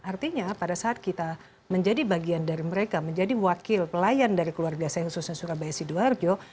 artinya pada saat kita menjadi bagian dari mereka menjadi wakil pelayan dari keluarga saya khususnya surabaya sidoarjo